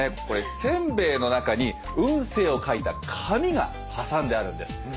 これせんべいの中に運勢を書いた紙が挟んであるんです。